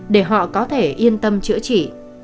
để họ có thể yên tâm chữa trị